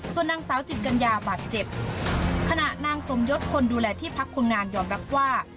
ส่วนนางสาวจิตกัญญาบาดเจ็บขณะนางสมยศคนดูแลที่พักคนงานยอมรับว่า